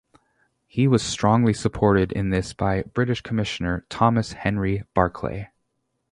He was strongly supported in this by British Commissioner Thomas Henry Barclay.